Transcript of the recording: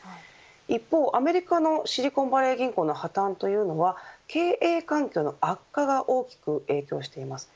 一方、アメリカのシリコンバレー銀行の破綻というのは経営環境の悪化が大きく影響しています。